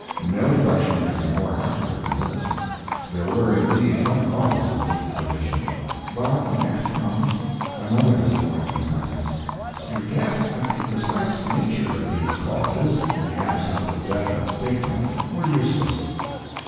No deduction could be more accurate than this. There were indeed some causes of deep division. But next comes another disappointing sentence: "To guess at the precise nature of these causes, in the absence of definite statement, were useless."